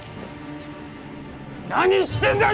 何してんだよ